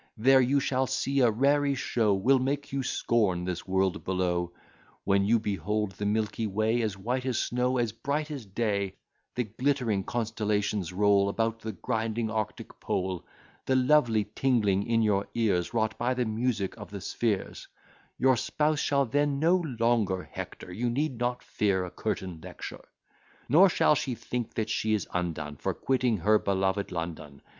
There you shall see a raree show Will make you scorn this world below, When you behold the milky way, As white as snow, as bright as day; The glittering constellations roll About the grinding arctic pole; The lovely tingling in your ears, Wrought by the music of the spheres Your spouse shall then no longer hector, You need not fear a curtain lecture; Nor shall she think that she is undone For quitting her beloved London.